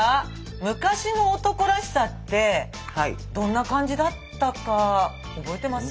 昔の男らしさってどんな感じだったか覚えてます？